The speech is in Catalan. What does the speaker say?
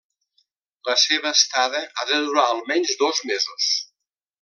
La seva estada ha de durar almenys dos mesos.